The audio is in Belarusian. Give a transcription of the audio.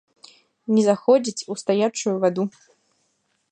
Не заходзіць у стаячую ваду.